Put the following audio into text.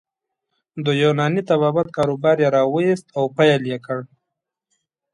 د یوناني طبابت کاروبار يې راویست او پیل یې کړ.